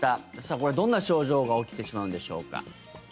これはどんな症状が起きてしまうんでしょうか。